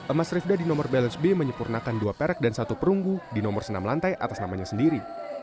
emas rifda di nomor balance b menyempurnakan dua perak dan satu perunggu di nomor senam lantai atas namanya sendiri